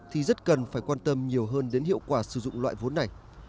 thì rất cần phải quan tâm nhiều hơn đến hiệu quả sử dụng loại vốn này